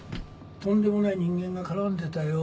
とんでもない人間が絡んでたよ。